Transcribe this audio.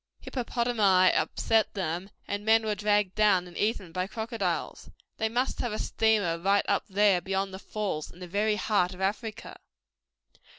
Hippopotami upset them, and men were dragged down and eaten by crocodiles. They must have a steamer right up there beyond the Falls in the very heart of Africa.